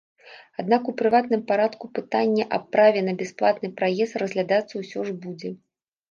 Аднак у прыватным парадку пытанне аб праве на бясплатны праезд разглядацца ўсё ж будзе.